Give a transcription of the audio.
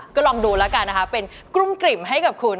ก็ลองดูแล้วกันนะคะเป็นกลุ้มกลิ่มให้กับคุณ